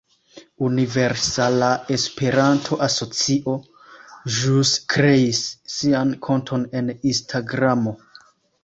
Universala Esperanto-Asocio ĵus kreis sian konton en Instagramo.